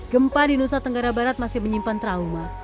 gempa di nusa tenggara barat masih menyimpan trauma